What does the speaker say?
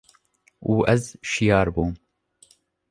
û ez şiyar bûm.